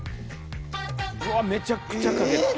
うわめちゃくちゃかける！